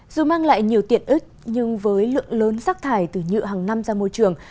dù mang lại nhiều tiện ích nhưng với lượng lớn rác thải từ nhựa hàng năm ra môi trường